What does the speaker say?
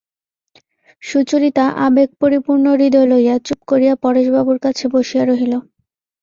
সুচরিতা আবেগপরিপূর্ণ হৃদয় লইয়া চুপ করিয়া পরেশবাবুর কাছে বসিয়া রহিল।